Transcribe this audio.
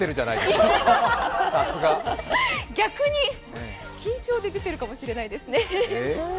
逆に緊張で出ているかもしれないですね。